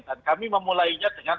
dan kami memulainya dengan